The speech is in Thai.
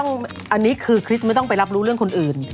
อันนี้คือคริสไม่ต้องไปรับรู้เรื่องคนอื่น